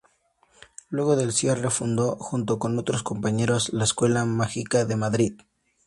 Luego del cierre fundó, junto con otros compañeros, la Escuela Mágica de Madrid.